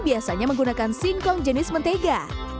biasanya menggunakan singkong jenis mentega